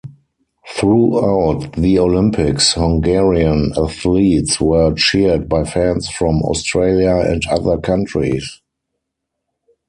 Throughout the Olympics, Hungarian athletes were cheered by fans from Australia and other countries.